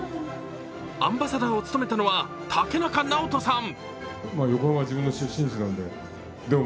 アンバサダーを務めたのは竹中直人さん。